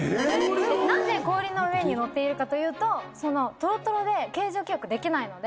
なんで氷の上に乗っているかというととろとろで形状記憶できないので。